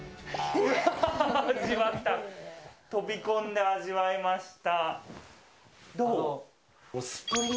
飛び込んで味わいました。